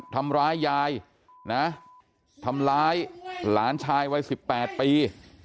ทำร้ายยายนะทำร้ายหลานชายวัย๑๘ปี